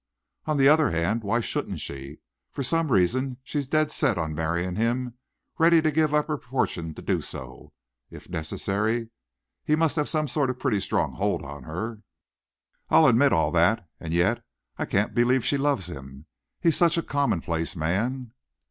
"On the other hand, why shouldn't she? For some reason she's dead set on marrying him, ready to give up her fortune to do so, if necessary. He must have some sort of a pretty strong hold on her." "I admit all that, and yet I can't believe she loves him. He's such a commonplace man."